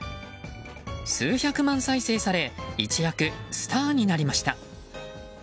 数百万再生され一躍スターになりました。